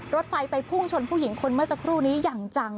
รถไฟไปพุ่งชนผู้หญิงคนเมื่อสักครู่นี้อย่างจัง